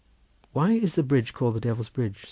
"Why is the bridge called the Devil's Bridge?"